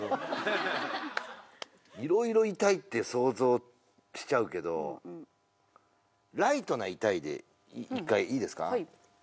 色々痛いって想像しちゃうけどライトな痛いで一回いいですか？